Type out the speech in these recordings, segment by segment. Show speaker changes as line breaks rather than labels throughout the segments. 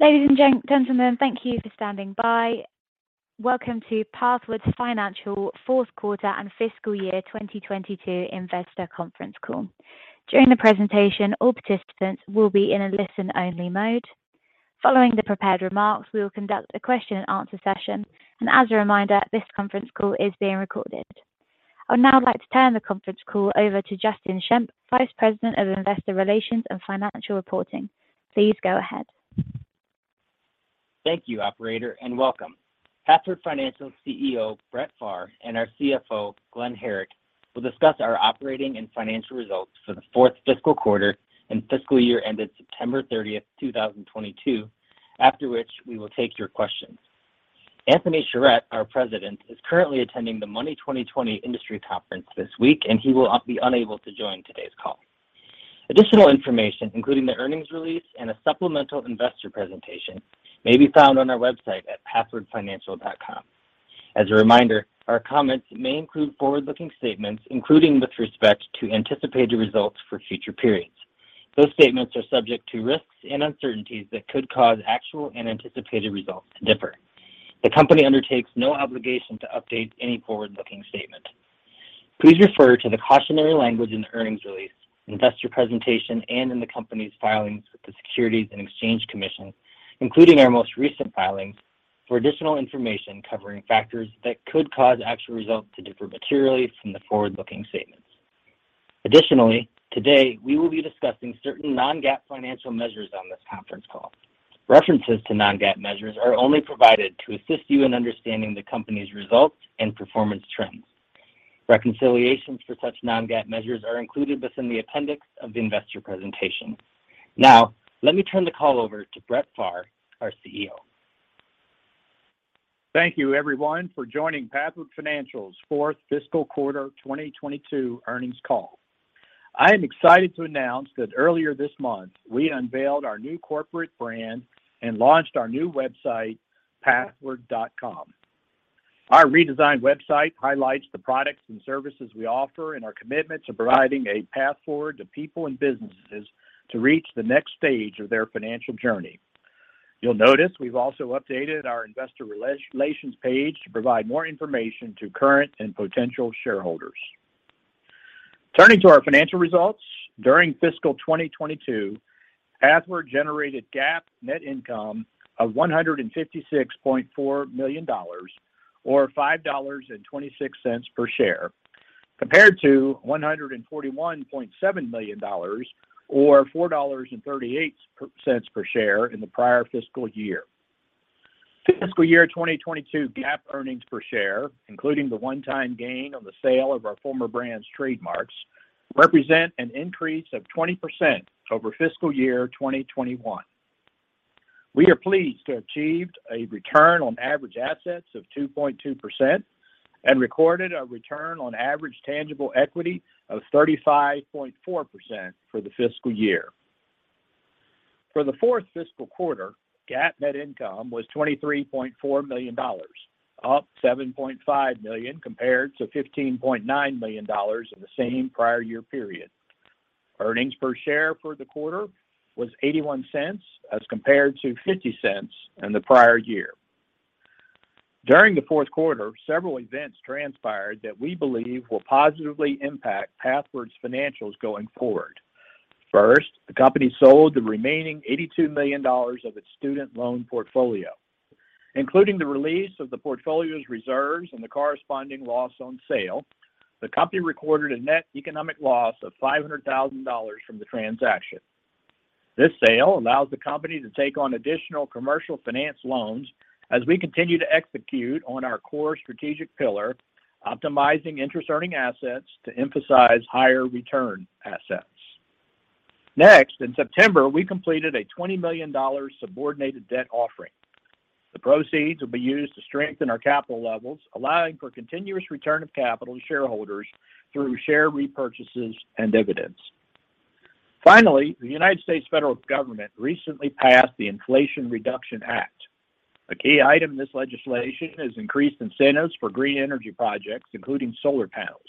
Ladies and gentlemen, thank you for standing by. Welcome to Pathward Financial fourth quarter and fiscal year 2022 investor conference call. During the presentation, all participants will be in a listen-only mode. Following the prepared remarks, we will conduct a question and answer session. As a reminder, this conference call is being recorded. I would now like to turn the conference call over to Justin Schempp, Vice President of Investor Relations and Financial Reporting. Please go ahead.
Thank you, operator, and welcome. Pathward Financial CEO Brett Pharr and our CFO Glen Herrick will discuss our operating and financial results for the fourth fiscal quarter and fiscal year ended September 30th, 2022, after which we will take your questions. Anthony Sharett, our president, is currently attending the Money20/20 industry conference this week, and he will be unable to join today's call. Additional information, including the earnings release and a supplemental investor presentation, may be found on our website at pathwardfinancial.com. As a reminder, our comments may include forward-looking statements, including with respect to anticipated results for future periods. Those statements are subject to risks and uncertainties that could cause actual and anticipated results to differ. The company undertakes no obligation to update any forward-looking statement. Please refer to the cautionary language in the earnings release, investor presentation, and in the company's filings with the Securities and Exchange Commission, including our most recent filings, for additional information covering factors that could cause actual results to differ materially from the forward-looking statements. Additionally, today we will be discussing certain non-GAAP financial measures on this conference call. References to non-GAAP measures are only provided to assist you in understanding the company's results and performance trends. Reconciliations for such non-GAAP measures are included within the appendix of the investor presentation. Now, let me turn the call over to Brett Pharr, our CEO.
Thank you everyone for joining Pathward Financial's fourth fiscal quarter 2022 earnings call. I am excited to announce that earlier this month we unveiled our new corporate brand and launched our new website, pathward.com. Our redesigned website highlights the products and services we offer and our commitment to providing a path forward to people and businesses to reach the next stage of their financial journey. You'll notice we've also updated our investor relations page to provide more information to current and potential shareholders. Turning to our financial results, during fiscal 2022, Pathward generated GAAP net income of $156.4 million or $5.26 per share, compared to $141.7 million or $4.38 per share in the prior fiscal year. Fiscal year 2022 GAAP earnings per share, including the one-time gain on the sale of our former brand's trademarks, represent an increase of 20% over fiscal year 2021. We are pleased to have achieved a return on average assets of 2.2% and recorded a return on average tangible equity of 35.4% for the fiscal year. For the fourth fiscal quarter, GAAP net income was $23.4 million, up $7.5 million compared to $15.9 million in the same prior year period. Earnings per share for the quarter was $0.81 as compared to $0.50 in the prior year. During the fourth quarter, several events transpired that we believe will positively impact Pathward's financials going forward. First, the company sold the remaining $82 million of its student loan portfolio. Including the release of the portfolio's reserves and the corresponding loss on sale, the company recorded a net economic loss of $500,000 from the transaction. This sale allows the company to take on additional Commercial Finance loans as we continue to execute on our core strategic pillar, optimizing interest-earning assets to emphasize higher return assets. Next, in September, we completed a $20 million subordinated debt offering. The proceeds will be used to strengthen our capital levels, allowing for continuous return of capital to shareholders through share repurchases and dividends. Finally, the United States federal government recently passed the Inflation Reduction Act. A key item in this legislation is increased incentives for green energy projects, including solar panels.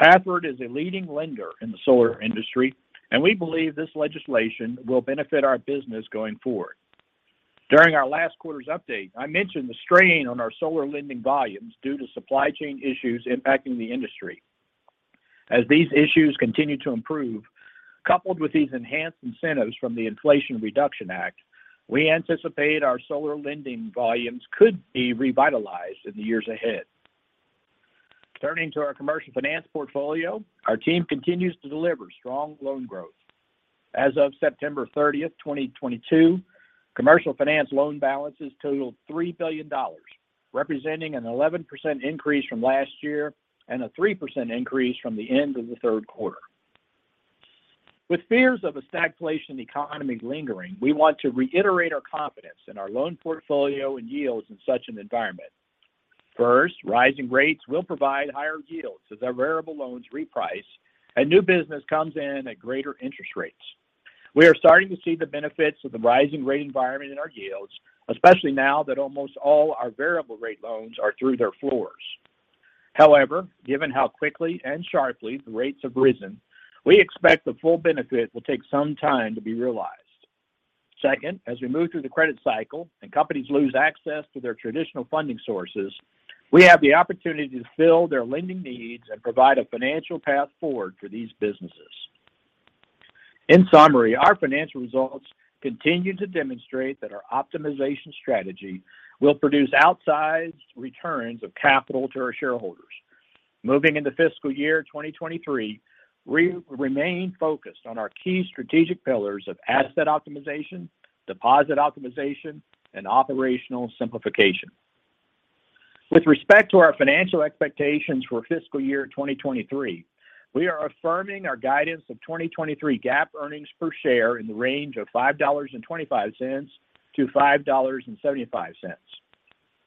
Pathward is a leading lender in the solar industry, and we believe this legislation will benefit our business going forward. During our last quarter's update, I mentioned the strain on our solar lending volumes due to supply chain issues impacting the industry. As these issues continue to improve, coupled with these enhanced incentives from the Inflation Reduction Act, we anticipate our solar lending volumes could be revitalized in the years ahead. Turning to our commercial finance portfolio, our team continues to deliver strong loan growth. As of September 30th, 2022, commercial finance loan balances totaled $3 billion, representing an 11% increase from last year and a 3% increase from the end of the third quarter. With fears of a stagflation economy lingering, we want to reiterate our confidence in our loan portfolio and yields in such an environment. First, rising rates will provide higher yields as our variable loans reprice and new business comes in at greater interest rates. We are starting to see the benefits of the rising rate environment in our yields, especially now that almost all our variable rate loans are through their floors. However, given how quickly and sharply the rates have risen, we expect the full benefit will take some time to be realized. Second, as we move through the credit cycle and companies lose access to their traditional funding sources, we have the opportunity to fill their lending needs and provide a financial path forward for these businesses. In summary, our financial results continue to demonstrate that our optimization strategy will produce outsized returns of capital to our shareholders. Moving into fiscal year 2023, we remain focused on our key strategic pillars of asset optimization, deposit optimization, and operational simplification. With respect to our financial expectations for fiscal year 2023, we are affirming our guidance of 2023 GAAP earnings per share in the range of $5.25-$5.75.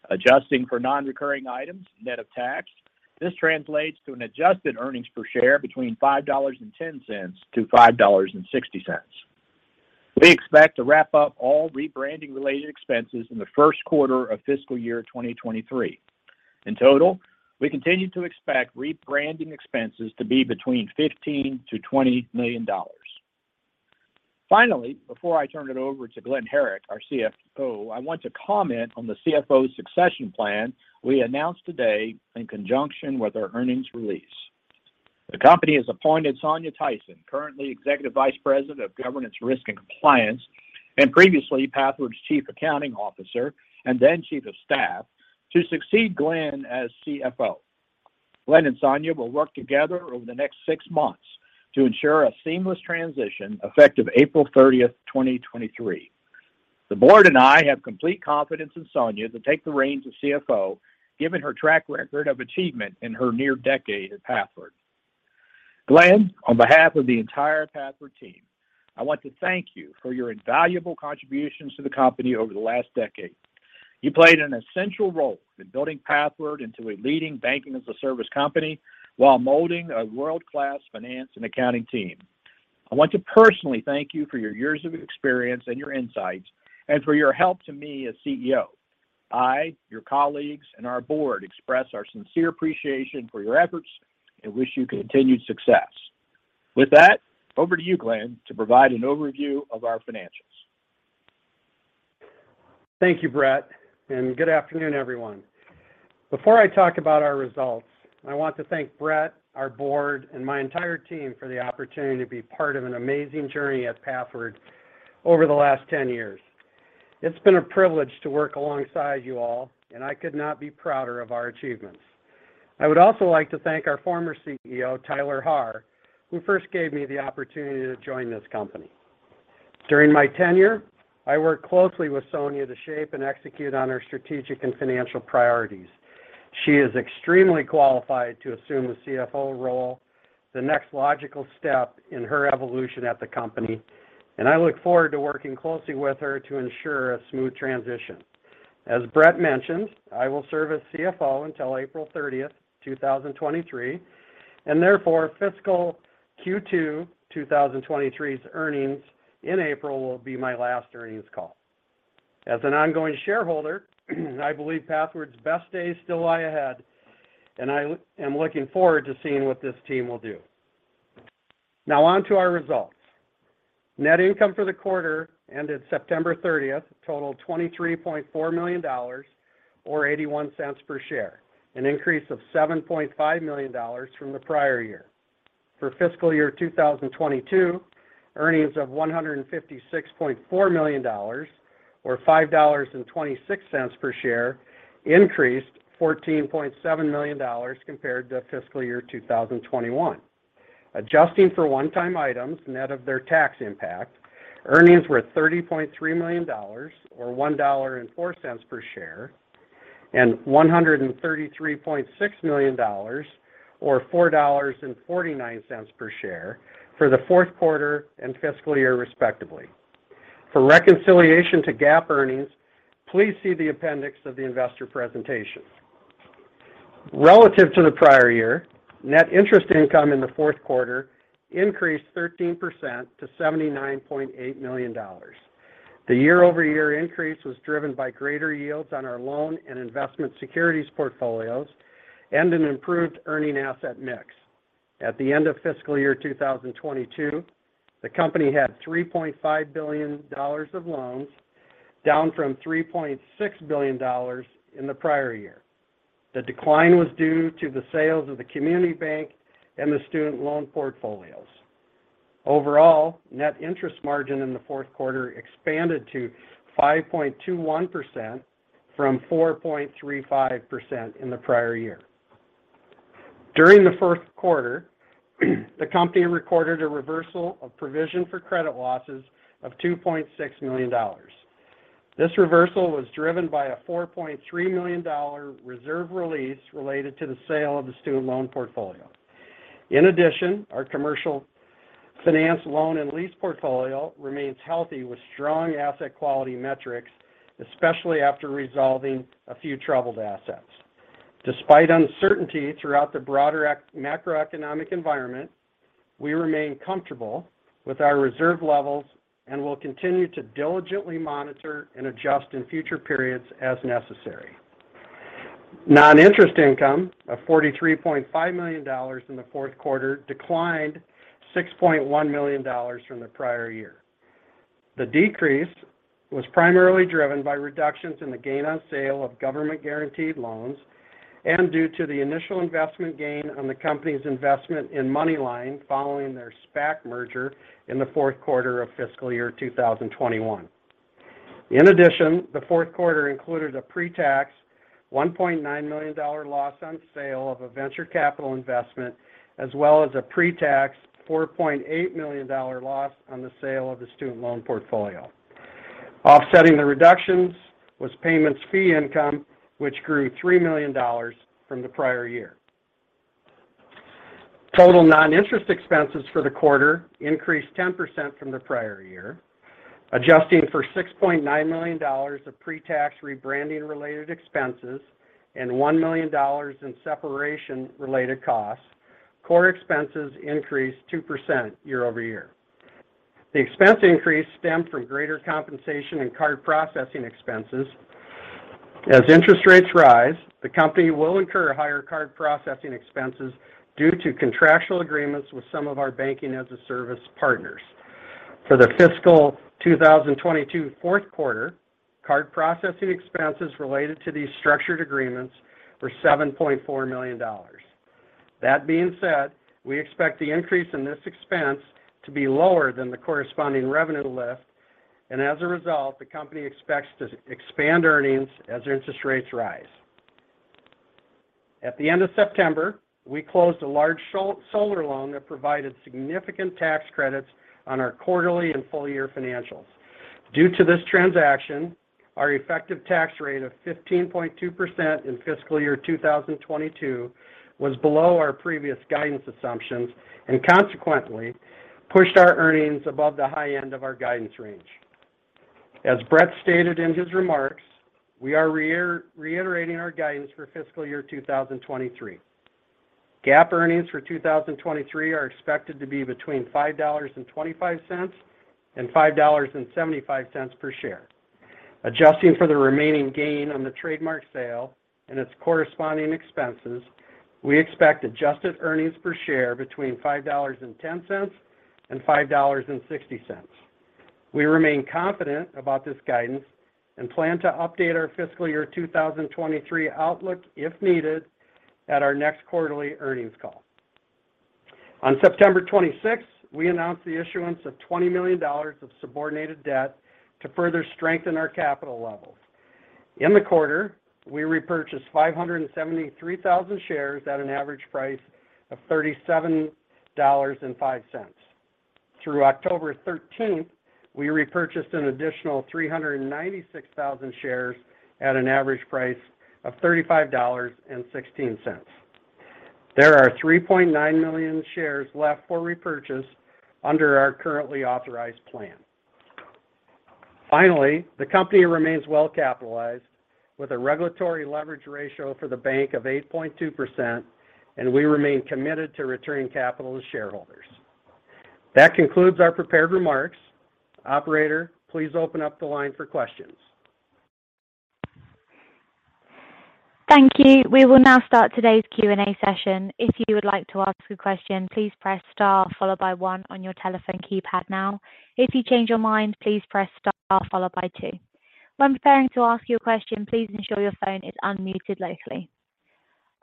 Adjusting for non-recurring items, net of tax, this translates to an adjusted earnings per share between $5.10-$5.60. We expect to wrap up all rebranding related expenses in the first quarter of fiscal year 2023. In total, we continue to expect rebranding expenses to be between $15 million-$20 million. Finally, before I turn it over to Glen Herrick, our CFO, I want to comment on the CFO succession plan we announced today in conjunction with our earnings release. The company has appointed Sonja Theisen, currently Executive Vice President of Governance, Risk and Compliance, and previously Pathward's Chief Accounting Officer and then Chief of Staff, to succeed Glen as CFO. Glen and Sonja will work together over the next six months to ensure a seamless transition effective April 30th, 2023. The board and I have complete confidence in Sonja to take the reins as CFO, given her track record of achievement in her near decade at Pathward. Glen, on behalf of the entire Pathward team, I want to thank you for your invaluable contributions to the company over the last decade. You played an essential role in building Pathward into a leading banking-as-a-service company while molding a world-class finance and accounting team. I want to personally thank you for your years of experience and your insights and for your help to me as CEO. I, your colleagues, and our board express our sincere appreciation for your efforts and wish you continued success. With that, over to you, Glen, to provide an overview of our financials.
Thank you, Brett, and good afternoon, everyone. Before I talk about our results, I want to thank Brett, our board, and my entire team for the opportunity to be part of an amazing journey at Pathward over the last 10 years. It's been a privilege to work alongside you all, and I could not be prouder of our achievements. I would also like to thank our former CEO, Tyler Haahr, who first gave me the opportunity to join this company. During my tenure, I worked closely with Sonja to shape and execute on our strategic and financial priorities. She is extremely qualified to assume the CFO role, the next logical step in her evolution at the company, and I look forward to working closely with her to ensure a smooth transition. As Brett mentioned, I will serve as CFO until April 30th, 2023, and therefore fiscal Q2 2023's earnings in April will be my last earnings call. As an ongoing shareholder, I believe Pathward's best days still lie ahead, and I am looking forward to seeing what this team will do. Now on to our results. Net income for the quarter ended September 30th totaled $23.4 million or $0.81 per share, an increase of $7.5 million from the prior year. For fiscal year 2022, earnings of $156.4 million or $5.26 per share increased $14.7 million compared to fiscal year 2021. Adjusting for one-time items, net of their tax impact, earnings were $30.3 million or $1.04 per share, and $133.6 million or $4.49 per share for the fourth quarter and fiscal year respectively. For reconciliation to GAAP earnings, please see the appendix of the investor presentation. Relative to the prior year, net interest income in the fourth quarter increased 13% to $79.8 million. The year-over-year increase was driven by greater yields on our loan and investment securities portfolios and an improved earning asset mix. At the end of fiscal year 2022, the company had $3.5 billion of loans, down from $3.56 billion in the prior year. The decline was due to the sales of the community bank and the student loan portfolios. Overall, net interest margin in the fourth quarter expanded to 5.21% from 4.35% in the prior year. During the first quarter, the company recorded a reversal of provision for credit losses of $2.6 million. This reversal was driven by a $4.3 million reserve release related to the sale of the student loan portfolio. In addition, our Commercial Finance loan and lease portfolio remains healthy with strong asset quality metrics, especially after resolving a few troubled assets. Despite uncertainty throughout the broader macroeconomic environment. We remain comfortable with our reserve levels and will continue to diligently monitor and adjust in future periods as necessary. Non-interest income of $43.5 million in the fourth quarter declined $6.1 million from the prior year. The decrease was primarily driven by reductions in the gain on sale of government-guaranteed loans and due to the initial investment gain on the company's investment in MoneyLion following their SPAC merger in the fourth quarter of fiscal year 2021. In addition, the fourth quarter included a pre-tax $1.9 million loss on sale of a venture capital investment, as well as a pre-tax $4.8 million loss on the sale of the student loan portfolio. Offsetting the reductions was payments fee income, which grew $3 million from the prior year. Total non-interest expenses for the quarter increased 10% from the prior year. Adjusting for $6.9 million of pre-tax rebranding related expenses and $1 million in separation related costs, core expenses increased 2% year-over-year. The expense increase stemmed from greater compensation and card processing expenses. As interest rates rise, the company will incur higher card processing expenses due to contractual agreements with some of our banking-as-a-service partners. For the fiscal 2022 fourth quarter, card processing expenses related to these structured agreements were $7.4 million. That being said, we expect the increase in this expense to be lower than the corresponding revenue lift. As a result, the company expects to expand earnings as interest rates rise. At the end of September, we closed a large solar loan that provided significant tax credits on our quarterly and full-year financials. Due to this transaction, our effective tax rate of 15.2% in fiscal year 2022 was below our previous guidance assumptions and consequently pushed our earnings above the high end of our guidance range. As Brett stated in his remarks, we are reiterating our guidance for fiscal year 2023. GAAP earnings for 2023 are expected to be between $5.25 and $5.75 per share. Adjusting for the remaining gain on the trademark sale and its corresponding expenses, we expect adjusted earnings per share between $5.10 and $5.60. We remain confident about this guidance and plan to update our fiscal year 2023 outlook, if needed, at our next quarterly earnings call. On September 26th, we announced the issuance of $20 million of subordinated debt to further strengthen our capital levels. In the quarter, we repurchased 573,000 shares at an average price of $37.05. Through October 13th, we repurchased an additional 396,000 shares at an average price of $35.16. There are 3.9 million shares left for repurchase under our currently authorized plan. Finally, the company remains well capitalized with a regulatory leverage ratio for the bank of 8.2%, and we remain committed to returning capital to shareholders. That concludes our prepared remarks. Operator, please open up the line for questions.
Thank you. We will now start today's Q&A session. If you would like to ask a question, please press star followed by one on your telephone keypad now. If you change your mind, please press star followed by two. When preparing to ask your question, please ensure your phone is unmuted locally.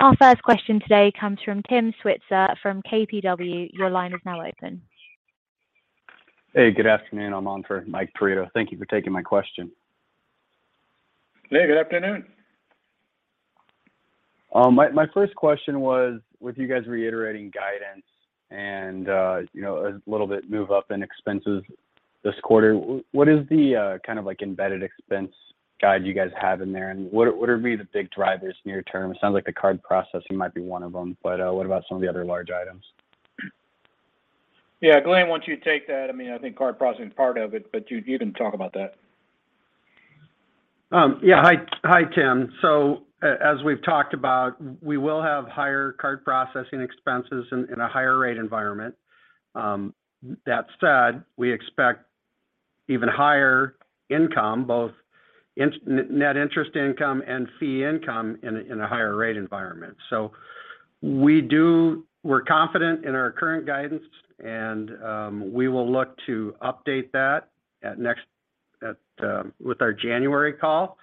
Our first question today comes from Timothy Switzer from KBW. Your line is now open.
Hey, good afternoon. I'm on for Michael Perito. Thank you for taking my question.
Hey, good afternoon.
My first question was, with you guys reiterating guidance and, you know, a little bit move up in expenses this quarter, what is the kind of like embedded expense guide you guys have in there? What would be the big drivers near term? It sounds like the card processing might be one of them, but what about some of the other large items?
Yeah. Glen, why don't you take that? I mean, I think card processing is part of it, but you can talk about that.
Yeah. Hi, Tim. As we've talked about, we will have higher card processing expenses in a higher rate environment. That said, we expect even higher income, both net interest income and fee income in a higher rate environment. We're confident in our current guidance and we will look to update that with our January call.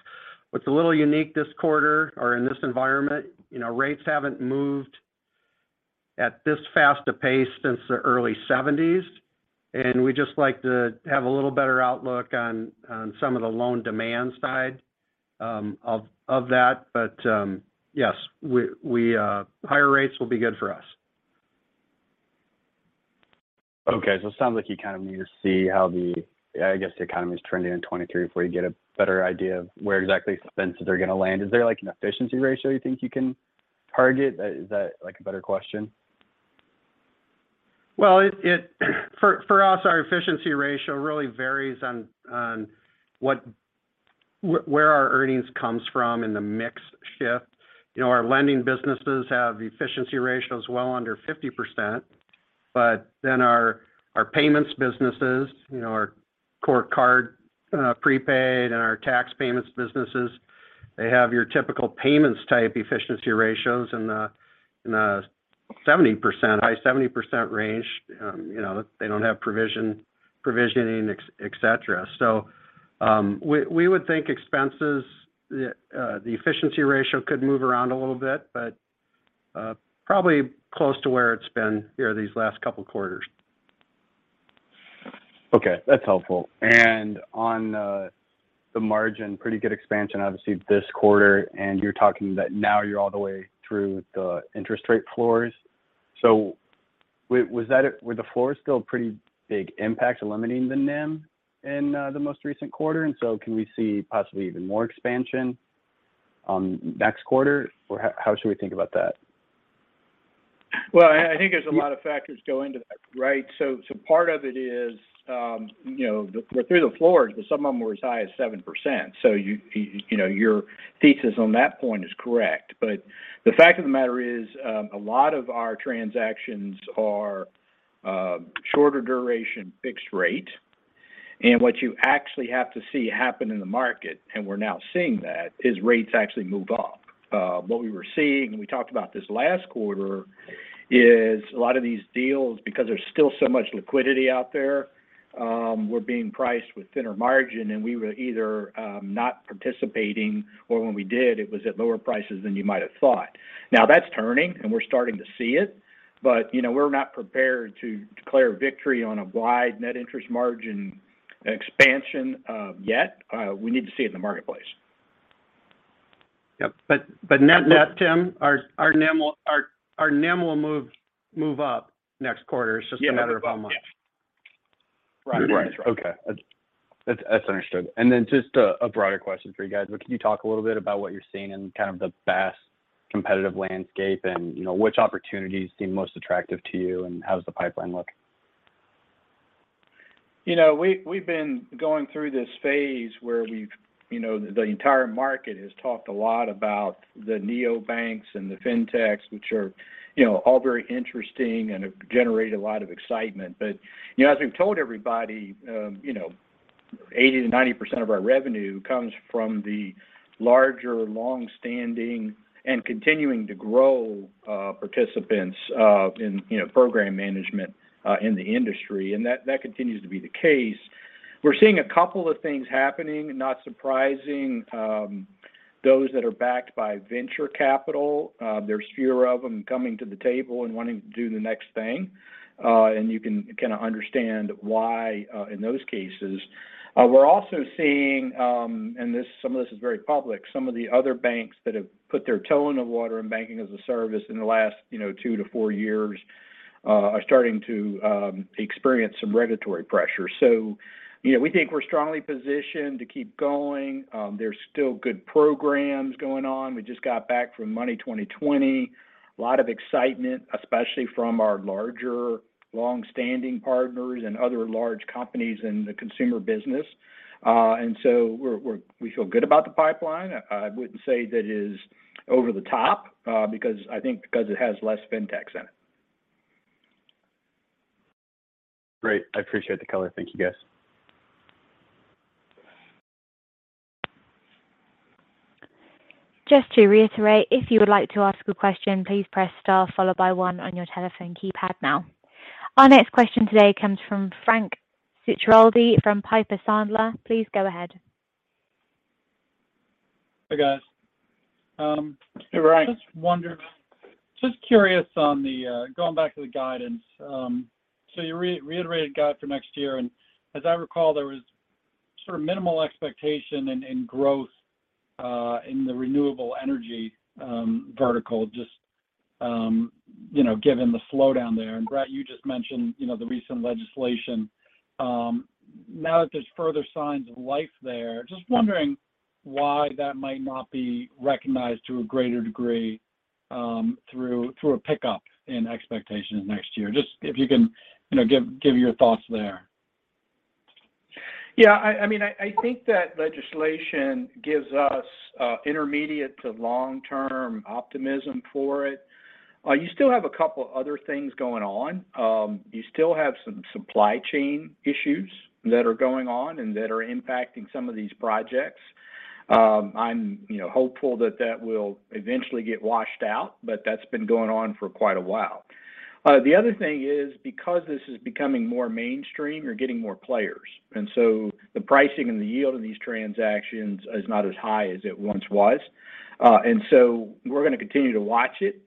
What's a little unique this quarter or in this environment, you know, rates haven't moved at this fast pace since the early 1970s, and we'd just like to have a little better outlook on some of the loan demand side of that. Yes, higher rates will be good for us.
Okay. It sounds like you kind of need to see how the, I guess, the economy is trending in 2023 before you get a better idea of where exactly expenses are gonna land. Is there like an efficiency ratio you think you can target? Is that, like, a better question?
For us, our efficiency ratio really varies on whatever our earnings comes from in the mix shift. You know, our lending businesses have efficiency ratios well under 50%. Our payments businesses, you know, our core card, prepaid and our tax payments businesses, they have your typical payments type efficiency ratios in the 70%, high 70% range. You know, they don't have provisioning, etc. We would think expenses, the efficiency ratio could move around a little bit. Probably close to where it's been here these last couple quarters.
Okay. That's helpful. On the margin, pretty good expansion obviously this quarter, and you're talking that now you're all the way through the interest rate floors. Were the floors still a pretty big impact limiting the NIM in the most recent quarter? Can we see possibly even more expansion next quarter, or how should we think about that?
Well, I think there's a lot of factors go into that, right? Part of it is, you know, we're through the floors, but some of them were as high as 7%, so you know, your thesis on that point is correct. The fact of the matter is, a lot of our transactions are shorter duration fixed rate. What you actually have to see happen in the market, and we're now seeing that, is rates actually move up. What we were seeing, we talked about this last quarter, is a lot of these deals, because there's still so much liquidity out there, were being priced with thinner margin and we were either not participating, or when we did, it was at lower prices than you might have thought. Now, that's turning and we're starting to see it, but, you know, we're not prepared to declare victory on a wide net interest margin expansion, yet. We need to see it in the marketplace.
Yep. Net net, Tim, our NIM will move up next quarter.
Yeah.
It's just a matter of how much.
Right. That's right.
Right. Okay. That's understood. Just a broader question for you guys, but can you talk a little bit about what you're seeing in kind of the BaaS competitive landscape and, you know, which opportunities seem most attractive to you and how's the pipeline looking?
You know, we've been going through this phase where we've, you know, the entire market has talked a lot about the neobanks and the fintechs, which are, you know, all very interesting and have generated a lot of excitement. You know, as we've told everybody, you know, 80%-90% of our revenue comes from the larger, long-standing and continuing to grow participants in you know, program management in the industry. That continues to be the case. We're seeing a couple of things happening, not surprising. Those that are backed by venture capital, there's fewer of them coming to the table and wanting to do the next thing. You can kinda understand why in those cases. We're also seeing some of this is very public, some of the other banks that have put their toe in the water in banking as a service in the last, you know, 2-4 years are starting to experience some regulatory pressure. You know, we think we're strongly positioned to keep going. There's still good programs going on. We just got back from Money 20/20. A lot of excitement, especially from our larger, long-standing partners and other large companies in the consumer business. We feel good about the pipeline. I wouldn't say that it is over the top, because I think it has less fintechs in it.
Great. I appreciate the color. Thank you, guys.
Just to reiterate, if you would like to ask a question, please press star followed by one on your telephone keypad now. Our next question today comes from Frank Schiraldi from Piper Sandler. Please go ahead.
Hi, guys.
Hey, Frank.
Just wondering, just curious on the going back to the guidance. So you reiterated guidance for next year, and as I recall, there was sort of minimal expectation in growth in the renewable energy vertical, just you know, given the slowdown there. Brett, you just mentioned you know the recent legislation. Now that there's further signs of life there, just wondering why that might not be recognized to a greater degree through a pickup in expectations next year? Just if you can you know give your thoughts there.
Yeah. I mean, I think that legislation gives us intermediate to long-term optimism for it. You still have a couple other things going on. You still have some supply chain issues that are going on and that are impacting some of these projects. I'm you know hopeful that that will eventually get washed out, but that's been going on for quite a while. The other thing is, because this is becoming more mainstream, you're getting more players. The pricing and the yield of these transactions is not as high as it once was. We're gonna continue to watch it.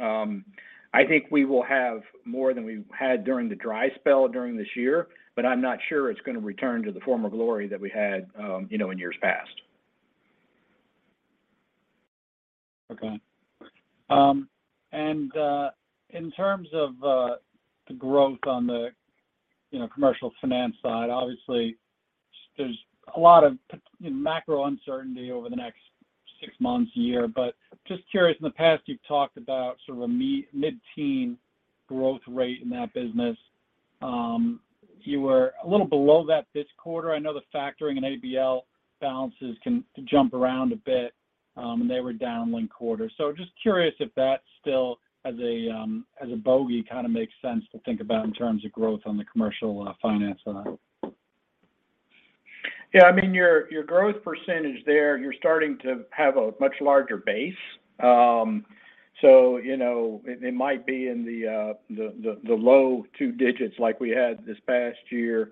I think we will have more than we had during the dry spell during this year, but I'm not sure it's gonna return to the former glory that we had, you know, in years past.
Okay. In terms of the growth on the, you know, Commercial Finance side, obviously there's a lot of, you know, macro uncertainty over the next six months, a year. Just curious, in the past, you've talked about sort of a mid-teen growth rate in that business. You were a little below that this quarter. I know the factoring in ABL balances can jump around a bit, and they were down, linked quarter. Just curious if that still is a bogey kind of makes sense to think about in terms of growth on the Commercial Finance side.
Yeah. I mean, your growth percentage there, you're starting to have a much larger base. So you know, it might be in the low two digits like we had this past year.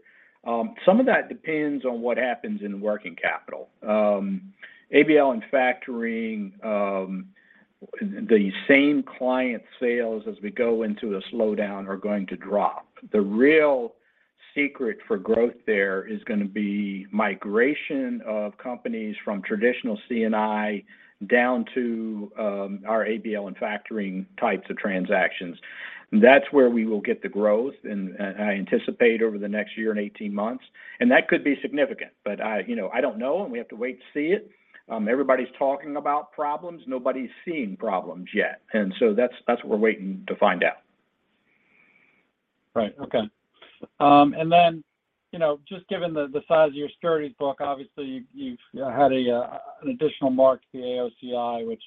Some of that depends on what happens in working capital. ABL and factoring, the same client sales as we go into a slowdown are going to drop. The real secret for growth there is gonna be migration of companies from traditional C&I down to our ABL and factoring types of transactions. That's where we will get the growth and I anticipate over the next year and 18 months. That could be significant. But I you know I don't know, and we have to wait to see it. Everybody's talking about problems, nobody's seeing problems yet. That's what we're waiting to find out.
Right. Okay. And then, you know, just given the size of your securities book, obviously you've had an additional mark to the AOCI, which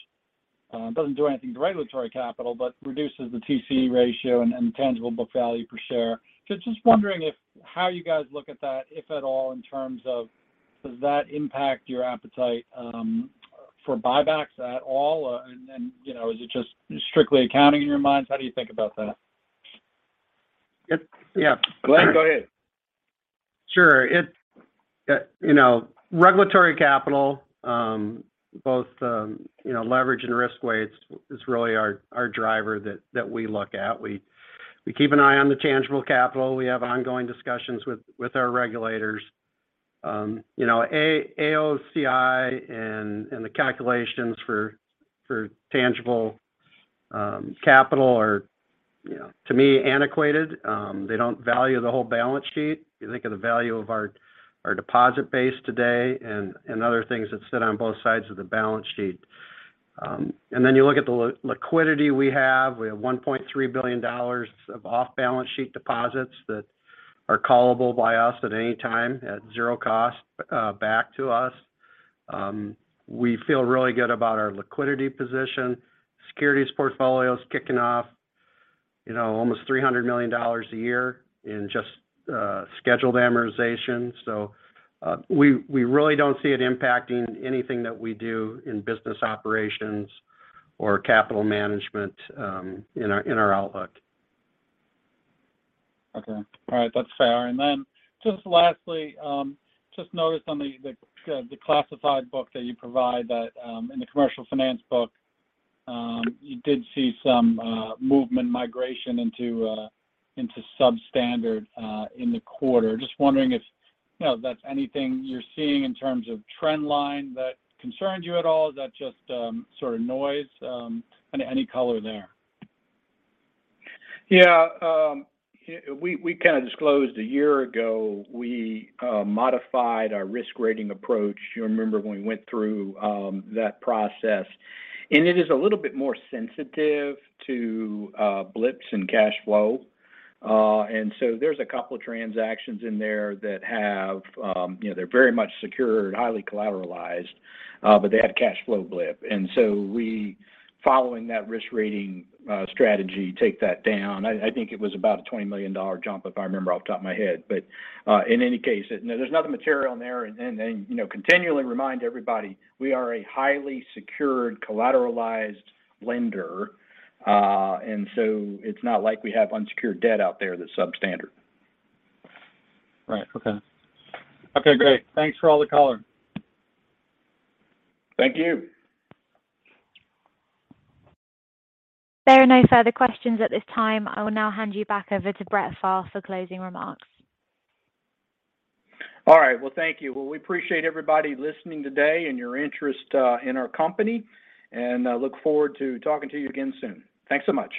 doesn't do anything to regulatory capital but reduces the TCE ratio and tangible book value per share. Just wondering how you guys look at that, if at all, in terms of does that impact your appetite for buybacks at all? You know, is it just strictly accounting in your minds? How do you think about that?
Yep. Yeah. Glen, go ahead.
Sure. You know, regulatory capital, both, you know, leverage and risk weights is really our driver that we look at. We keep an eye on the tangible capital. We have ongoing discussions with our regulators. You know, AOCI and the calculations for tangible capital are, you know, to me, antiquated. They don't value the whole balance sheet. You think of the value of our deposit base today and other things that sit on both sides of the balance sheet. Then you look at the liquidity we have. We have $1.3 billion of off-balance sheet deposits that are callable by us at any time at zero cost back to us. We feel really good about our liquidity position. Securities portfolio's kicking off, you know, almost $300 million a year in just scheduled amortization. We really don't see it impacting anything that we do in business operations or capital management in our outlook.
Okay. All right. That's fair. Just lastly, just noticed on the classified book that you provide that in the Commercial Finance book, you did see some movement migration into substandard in the quarter. Just wondering if, you know, that's anything you're seeing in terms of trend line that concerns you at all. Is that just sort of noise? Any color there?
Yeah. We kind of disclosed a year ago we modified our risk rating approach. You remember when we went through that process. It is a little bit more sensitive to blips in cash flow. There's a couple of transactions in there that have, you know, they're very much secured, highly collateralized, but they have cash flow blip. We, following that risk rating strategy, take that down. I think it was about a $20 million jump, if I remember off the top of my head. In any case, there's nothing material in there. You know, continually remind everybody, we are a highly secured, collateralized lender. It's not like we have unsecured debt out there that's substandard.
Right. Okay, great. Thanks for all the color.
Thank you.
There are no further questions at this time. I will now hand you back over to Brett Pharr for closing remarks.
All right. Well, thank you. Well, we appreciate everybody listening today and your interest in our company, and look forward to talking to you again soon. Thanks so much.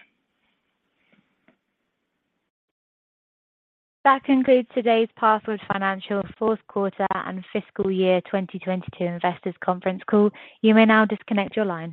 That concludes today's Pathward Financial fourth quarter and fiscal year 2022 Investors Conference Call. You may now disconnect your lines.